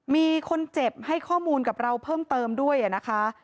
มีคนเจ็บให้ข้อมูลกับเราเพิ่มเติมด้วยนะคะ